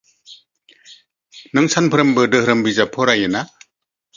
नों सानफ्रोमबो दोहोरोम बिजाब फरायोना?